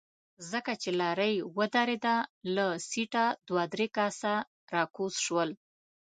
څنګه چې لارۍ ودرېده له سيټه دوه درې کسه راکوز شول.